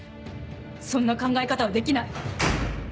そんな考え方はできない。